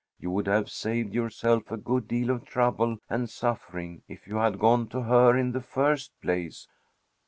You would have saved yourself a good deal of trouble and suffering if you had gone to her in the first place."